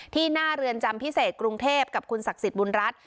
หน้าเรือนจำพิเศษกรุงเทพกับคุณศักดิ์สิทธิบุญรัฐ